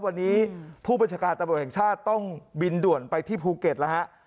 วันนี้ผู้บัญชาการตำรวจแห่งชาติต้องบินด่วนไปที่ภูเก็ตแล้วฮะ